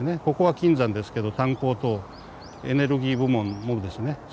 ここは金山ですけど炭鉱とエネルギー部門もですね